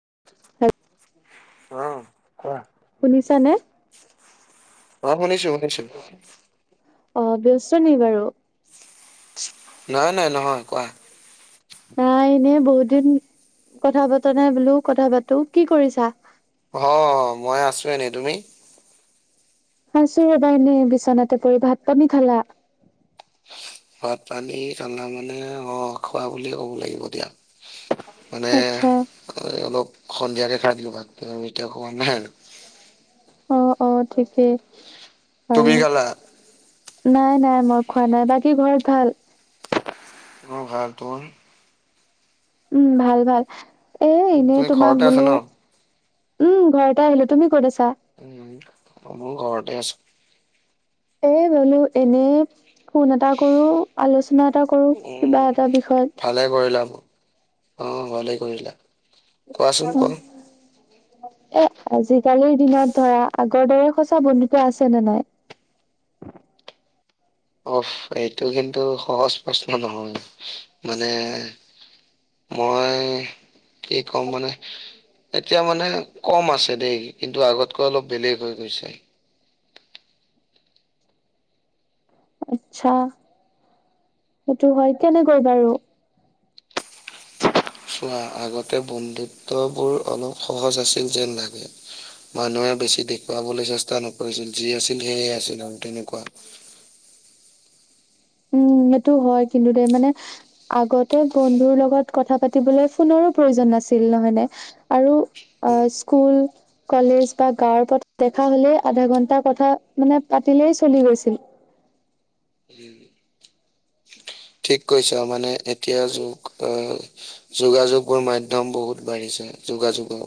[unintelligible] অ' কোৱা। শুনিছানে? অ' শুনিছো শুনিছো। অ' ব্যস্ত নি বাৰু? নাই নাই, নহয় কোৱা। নাই, এনেই বহুত দিন কথা পাতা নাই বোলো কথা পাতো। কি কৰিছা? অ' মই আছো এনেই। তুমি? আছো ৰবা এনেই বিচনাতে পৰি। ভাত-পানী খালা? ভাত-পানী [unintelligible] মানে অ, খোৱা বুলিয়ে ক'ব লাগিব দিয়া। মানে, আচ্ছা। অলপ সন্ধিয়াকে খাই দিলো ভাত এতিয়া খোৱা নাই আৰু। অ' অ' ঠিকেই বাৰু। তুমি খালা? নাই নাই, মই খোৱা নাই। বাকী ঘৰত ভাল? অ' ভাল। তোমাৰ? উম, ভাল ভাল। এ এনে তুমি তোমাক ঘৰতে আছা বোলো ন? উম, ঘৰ পৰাই আহিলো। তুমি ক'ত আছা? উম' মইয়ো ঘৰতে আছো। এ বোলো এনেই ফোন এটা কৰো, আলোচনা এটা কৰো, কিবা এটা বিষয়ত। ভালেই কৰিলা, অঁ ভালেই কৰিলা। কোৱাচোন উম। কোৱা এ আজিকালিৰ দিনত ধৰা আগৰ দৰে সচা বন্ধুত্ব আছে নে নাই? অ' এইটো কিন্তু সহজ প্ৰশ্ন নহয়। মানে মই কি কম মানে এতিয়া মানে কম আছে দেই। কিন্তু আগতকৈ অলপ বেলেগ হৈ গৈছে। আচ্ছা, সেইটো হয়। কেনেকৈ বাৰু। চোৱা আগতে বন্ধুত্ব বোৰ অলপ সহজ আছিল যেন লাগে। মানুহে বেছি দেখুৱাবলৈ চেষ্টা নকৰিছিল, যি আছিল সেয় আছিল আৰু তেনেকুৱা। উম' সেইটো হয় কিন্তু দে মানে। আগতে বন্ধুৰ লগত কথা পাতিবলৈ ফোনৰো প্ৰয়োজন নাছিল। নহয় নে? আৰু স্কুল, কলেজ বা গাঁৱৰ পৰা দেখা হলেই আধা ঘন্টা কথা মানে, পাতিলেই চলি গৈছিল। বি, ঠিক কৈছা মানে এতিয়া যু অ,। যোগাযোগৰ মাধ্যম বহুত বাঢ়িছে, যোগাযোগৰ।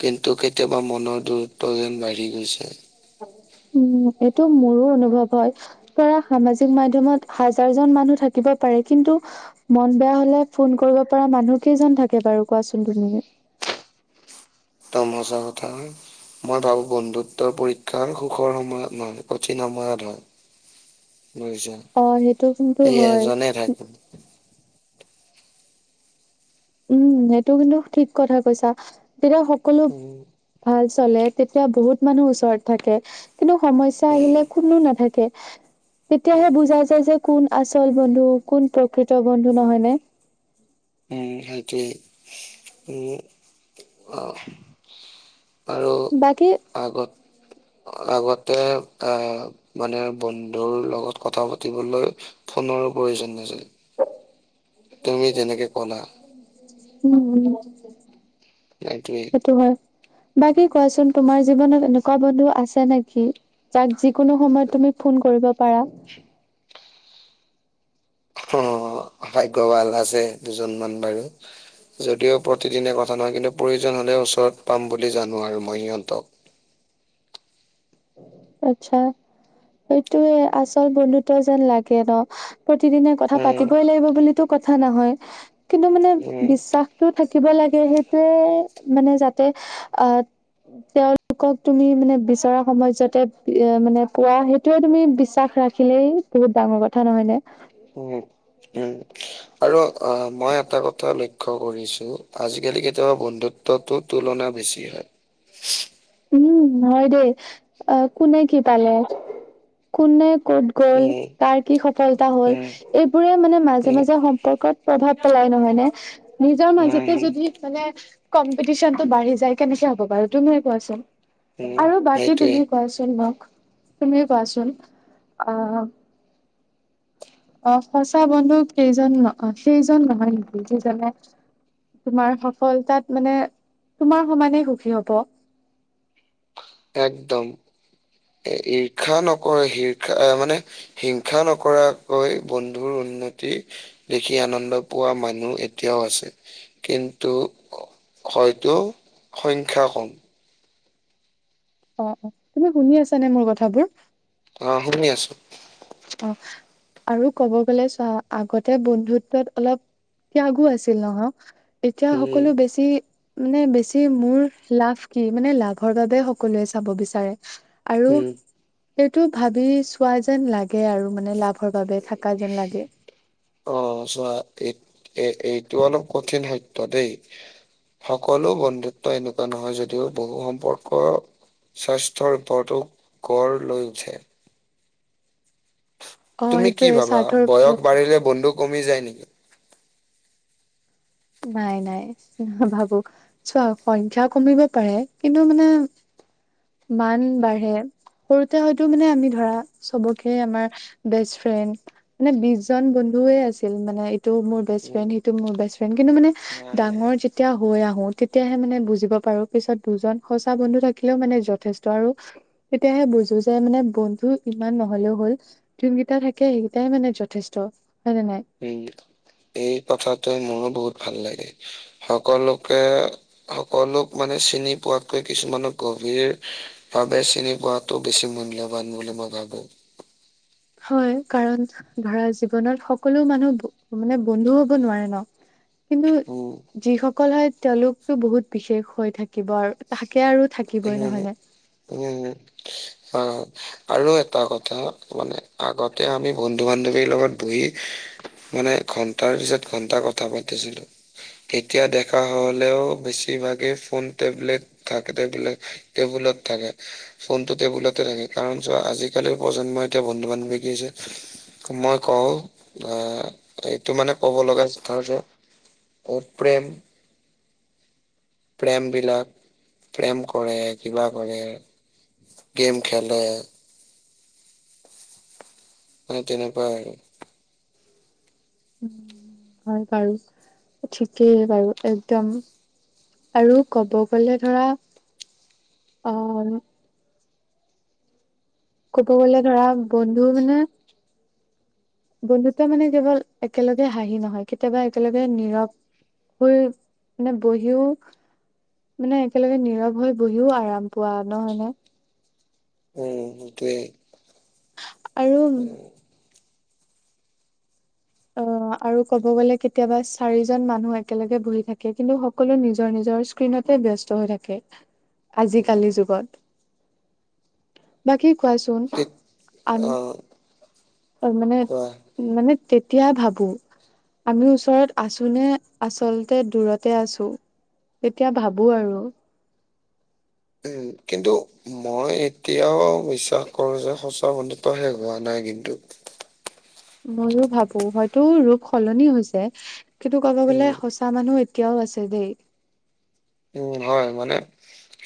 কিন্তু কেতিয়াবা মনৰ দূৰত্ব যেন বাঢ়ি গৈছে। উম, এইটো মোৰো অনুভৱ হয়। পৰা সামাজিক মাধ্য়মত হাজাৰ জন মানুহ থাকিব পাৰে। কিন্তু। মন বেয়া হলে ফোন কৰিব পৰা মানুহ কেইজন থাকে বাৰু কোৱাচোন তুমি? তমোচা কথা হয়। মই ভাবো বন্ধুত্বৰ পৰীক্ষা সুখৰ সময়ত নহয়, কঠিন সময়ত হয়। বুজিছা? অ সেইটো কিন্তু এই হয় এজনে থাকো। উম, সেইটো কিন্তু ঠিক কথা কৈছা। তেতিয়া সকলো উম। ভাল চলে, তেতিয়া বহুত মানুহ ওচৰত থাকে। কিন্তু সমস্যা আহিলে কোনো নাথাকে, তেতিয়াহে বুজা যায়, যে কোন। আচল বন্ধু, কোন প্ৰকৃত বন্ধু নহয়নে? উম' সেইটোৱেই উম' অ। আৰু বাকী আগত,। আগতে আহ, মানে বন্ধুৰ লগত কথা পাতিবলৈ। ফোনৰো প্ৰয়োজন নাইছিল। তুমি যেনেকে ক'লা। উম'। তাকেই। সেটো হয় বাকী কোৱাচোন তোমাৰ জীৱনত এনেকুৱা বন্ধু আছে নেকি? যাক যিকোনো সময়ত তুমি ফোন কৰিব পাৰা। হে। অ ভাগ্য ভাল আছে দুজনমান বাৰু। যদিও প্ৰতিদিনে কথা নহয় কিন্তু প্ৰয়োজন হ'লে ওচৰত পাম বুলি জানো আৰু মই সিহঁতক। আচ্ছা সেইটোৱে আচল বন্ধুত্ব যেন লাগে ন। প্ৰতিদিনে কথা উম পাতিবই লাগিব বুলিতো কথা নহয়। কিন্তু মানে উম বিশ্বাসতটো থাকিব লাগে সেইটোৱে মানে যাতে। অ তেওঁলোকক তুমি মানে বিচৰা। সময়ত যাতে মানে পোৱা সেইটোয়ে তুমি বিশ্বাস ৰাখিলেই বহুত ডাঙৰ কথা নহয়নে। উম। উম আৰু অ মই এটা কথা লক্ষ্য। লক্ষ্য কৰিছোঁ আজিকালি কেতিয়াবা বন্ধুত্বটো তুলনা বেছি হয়। উম হয় দেই কোনে কি পালে কোনে ক'ত। গ'ল উম, কাৰ। কি সফলতা হ'ল উম, এইবোৰে মানে মাজে উম, মাজে সম্পৰ্কত প্ৰভাৱ পেলাই নহয় নে। নিজৰ মাজতে উম, যদি মানে কম্পিটিশনতটো বাঢ়ি যায় কেনেকে হ'ব বাৰু তুমিএ। কোৱাচোন উম, আৰু বাকী সেইটোৱে তুমি। কোৱাচোন মোক তুমিএ কোৱাচোন অ। অ সঁচা বন্ধু কেইজন ন সেইজন নহয় নেকি যিজনে। তোমাৰ সফলতাত মানে তোমাৰ সমানেই সুখী হ'ব। একদম ঈৰ্ষা নকৰে হীৰ্ষা মানে। হিংসা নকৰাকৈ বন্ধুৰ উন্নতি। দেখি আনন্দ পোৱা মানুহ এতিয়াও আছে কিন্তু। হয়তো সংখ্যা কম। অ অ তুমি শুনি আছ নে মোৰ কথাবোৰ। অ শুনি আছো। অ আৰু ক'ব গলে চোৱা আগতে বন্ধুত্বত অলপ। ত্যাগো আছিল ন এতিয়া উম, সকলো বেছি মানে বেছি। মোৰ লাভ কি মানে লাভৰ বাবে সকলোৱে চাব বিচাৰে আৰু। উম, এইটো ভাবি চোৱা যেন লাগে আৰু মানে লাভৰ বাবে থাকা যেন লাগে। অ চোৱা এই এইটো অলপ কঠিন সত্য দেই। সকলো বন্ধুত্ব এনেকুৱা নহয় যদিও বহু সম্পৰ্কৰ। স্বাস্থ্যৰ ওপৰতো গঢ় লৈ উঠে। অ তুমি কি সেইটোয়ে ভাবা স্বাৰ্থৰ বয়স ওপৰত বাঢ়িলে বন্ধু কমি যায় নেকি? নাই নাই নাভাবোঁ। চোৱা সংখ্যা কমিব পাৰে কিন্তু মানে মান বাঢ়ে। সৰুতে হয়তো মানে আমি ধৰা চবকে আমাৰ বেষ্ট ফ্ৰেণ্ড। মানে বিশজন বন্ধুএ আছিল মানে ইটো মোৰ বেষ্ট উম, ফ্ৰেণ্ড সিটো মোৰ বেষ্ট। কিন্তু মানে নাই। ডাঙৰ যেতিয়া হৈ আহো তেতিয়াহে মানে বুজিব পাৰো পিছত। দুজন সঁচা বন্ধু থাকিলেও মানে যথেষ্ট আৰু। তেতিয়াহে বুজো যে মানে বন্ধু ইমান নহ'লেও হ'ল। যোনকেইটা থাকে সেইকেইটাই মানে যথেষ্ট হয়নে নাই। উম। এই কথাটোৱে মোৰো বহুত ভাল লাগে সকলোকে। সকলোক মানে চিনি পোৱাতকৈ কিছুমানক গভীৰ। ভাবে চিনি পোৱাাটো বেছি মূল্যবান বুলি মই ভাবো। হয় কাৰণ। ধৰা জীৱনত সকলো মানুহ মানে বন্ধু হব নোৱাৰে ন। কিন্তু উম, যিসকল হয় তেওঁলোকতটো বহুত বিশেষ হৈ থাকিব আৰু তাকে আৰু উম থাকিবই নহয় নে? উম অ', আৰু এটা কথা মানে আগতে আমি বন্ধু -বান্ধৱীৰ লগত বহি মানে ঘন্টাৰ পিছত ঘন্টা কথা পাতিছিলো এতিয়া দেখা হ'লেও বেছিভাগে ফোন টেবলেট টবিলাক টেবুলত থাকে। ফোনটো টেবুলতে থাকে কাৰণ চোৱা আজ কালিৰ প্ৰজন্মই এতিয়া বন্ধু বান্ধৱী কি হৈছে মই কওঁ অ এইটো মানে ক'ব লগা তাৰছত অত প্ৰেম প্ৰেমবিলাক প্ৰেম কৰে কিবা কৰে গেম খেলে অ', তেনেকুৱা আৰু। উম, হয় বাৰু ঠিকেই বাৰু একদম। আৰু ক'ব গ'লে ধৰা আ ক'ব গ'লে ধৰা বন্ধু মানে বন্ধুত্ব মানে কেৱল একেলগে হাঁহি নহয় কেতিয়াবা একেলগে নীৰৱ হৈ মানে বহিও মানে একেলগে নীৰৱ হৈ বহিও আৰাম পোৱা নহয় নে? উম, সেইটোৱে। আৰু [inaudible] আৰু ক'ব গ'লে কেতিয়াবা চাৰিজন মানুহ একেলগে বহি থাকে। কিন্তু সকলোৱে নিজৰ নিজৰ ণতে ব্যস্ত হৈ থাকে উম আজিকালি যুগত। বাকী কোৱাচোন ঠিক আন অ অ', মানে কোৱা মানে তেতিয়া ভাবো। আমি ওচৰত আছোনে আচলতে দূৰতে আছো। তেতিয়া ভাবো আৰু। উম, কিন্তু মই এতিয়াও বিশ্বাস কৰো যে সঁচা বন্ধুত্ব শেষ হোৱা নাই কিন্তু। ময়োও ভাবো হয়তো ৰূপ সলনি হৈছে। কিন্তু ক'ব উম, গ'লে সচ মানুহ এতিয়াও আছে দেই। উম, হয় মানে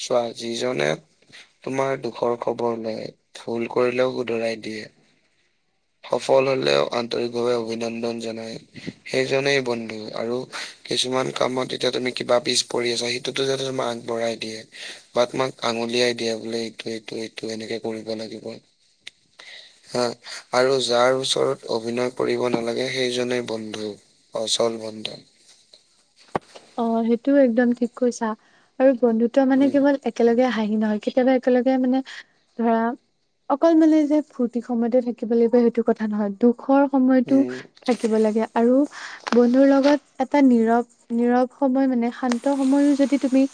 চোৱা যিজনে তোমাৰ দুখৰ খবৰ লয় ভুল কৰিলেও শুদ্ধৰাই দিয়ে। সফল হ'লেও আন্তৰিকভাৱে অভিনন্দন জনায়। সেইজনেই বন্ধু আৰু কিছুমান কামত এতিয়া তুমি কিবা পিছ পৰি আছা। সেইটোতো তোমাক আগবঢ়াই দিয়ে। বা তোমাক আঙুলিয়াই দিয়ে বোলে এইটো এইটো এইটো এনেকে কৰিব লাগিব। [inaudible] অ'। আৰু যাৰ ওচৰত অভিনয় কৰিব নালাগে সেইজনে বন্ধু আচল বন্ধু। অ', সেইটোও একদম ঠিক কৈছা আৰু বন্ধুত্ব মানে উম, কেৱল একেলগে হাঁহি নহয় কেতিয়াবা একেলগে মানে ধৰা অকল মানে যে ফূৰ্তি সময়তে থাকিব লাগিব সেইটো কথা নহয়। দুখৰ সময়টো উম। থাক থাকিব লাগে আৰু বন্ধুৰ লগত এটা নীৰৱ নীৰৱ সময় মানে শান্ত সময়ো যদি তুমি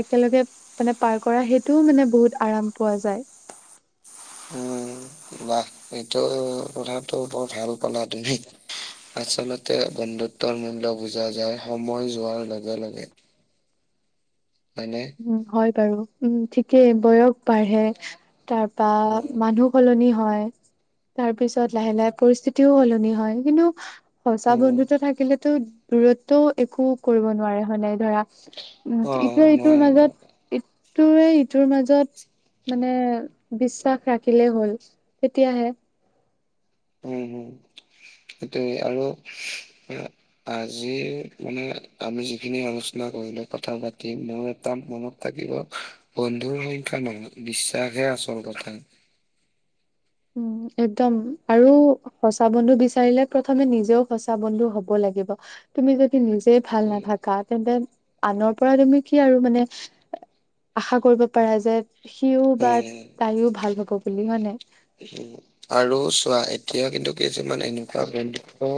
একেলগে মানে পাৰ কৰা সেইটোও মানে বহুত আৰাম পোৱা যায়। উম, বাহ এইটো কথাটো বৰ ভাল ক'লা তুমি। আচলতে বন্ধুত্বৰ মূল্য বুজা যায় সময় যোৱাৰ লগে লগে। হয়নে? উম, হয় বাৰু উম ঠিকেই বয়স বাঢ়ে তাৰপা উম, মানুহ সলনি হয় তাৰ পিছত লাহে লাহে পৰিস্থিতিও সলনি হয়। কিন্তু সঁচা উম, বন্ধুত্ব থাকিলেতো দূৰত্বও একো কৰিব নোৱাৰে হয় নাই ধৰা। উম, অ' ইটোৱে ইটোৰ মই মাজত ইটোৱে ইটোৰ মাজত মানে বিশ্বাস ৰাখিলেই হ'ল তেতিয়াহে। উম, হম, সেইটোয়ে আৰু আজি মানে আমি যিখিনি আলোচনা কৰিলো কথা পাতিম মোৰ এটা মনত থাকিব বন্ধুৰ সংখ্যা মানুহ বিশ্বাস হে আচল কথা। উম, একদম আৰু সঁচা বন্ধু বিচাৰিলে প্ৰথমে নিজেও সঁচা বন্ধু হব, লাগিব তুমি যদি নিজে উম, [unintelligible] আনৰ পৰা তুমি কি আৰু মানে আশা কৰিব পাৰা যে সিও বা উম, তাইও ভাল পাব বুলি হয় নে? আৰু চোৱা এতিয়া কিন্ত কিছুমানে এনেকুৱা বন্ধুত্ব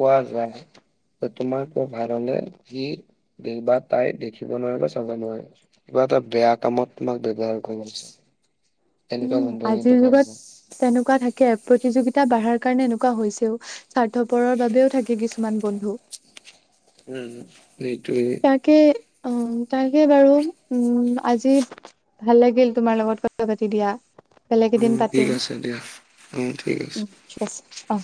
পোৱা যায়। তোমাক মই ভাল হলে সি দে বা তাই দেখিব নোৱাৰিব চাব নোৱাৰিব। কিবা এটা বেয়া কামত তোমাক ব্যৱহাৰ কৰিব এনেকুৱা উম বন্ধু কিন্তু আজিৰ পোৱা যুগত যায়। তেনেকুৱা থাকে, প্ৰতিযোগিতা বাঢ়াৰ কাৰণে এনেকুৱা হৈছেও। স্বাৰ্থপৰৰ বাবেও থাকে, কিছুমান বন্ধু। উম এইেইটো তাকে উ, তাকে বাৰু উম', আজি ভাল লাগিল তোমাৰ লগত কথা পাতি দিয়া। বেলেগ উ এদিন ঠিক পাতিম আছে দিয়া অ', ঠিক আছে। শ্বছ অ',